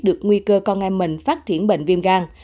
được nguy cơ con em mình phát triển bệnh viêm gan